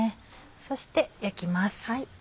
そして焼きます。